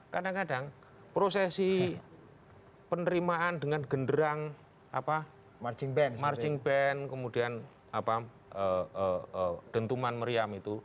kadang kadang prosesi penerimaan dengan genderang marching band kemudian dentuman meriam itu